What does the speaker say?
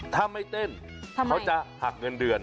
ถ้าไม่เต้นเขาจะหักเงินเดือน